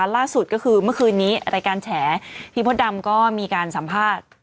ล่าสุดก็คือเมื่อคืนนี้รายการแฉพี่มดดำก็มีการสัมภาษณ์